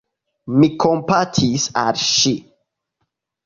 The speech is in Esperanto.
Mi kompatis al ŝi.